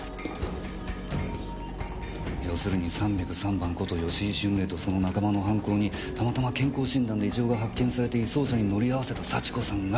要するに３０３番こと吉井春麗とその仲間の犯行にたまたま健康診断で異常が発見されて移送車に乗り合わせた幸子さんが。